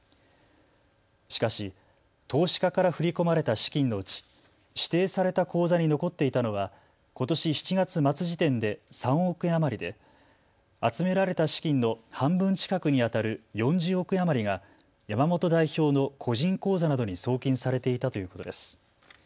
しかし投資家から振り込まれた資金のうち、指定された口座に残っていたのは、ことし７月末時点で３億円余りで集められた資金の半分近くにあたる４０億円余りが山本代表の個人口座などに送金されていたということです。